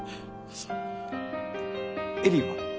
恵里は？